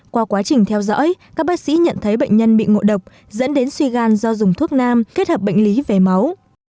qua quá trình theo dõi các bác sĩ nhận thấy bệnh nhân bị ngộ độc dẫn đến suy gan do dùng thuốc nam kết hợp bệnh lý về máu